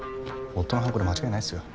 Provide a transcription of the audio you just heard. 夫の犯行で間違いないですよ。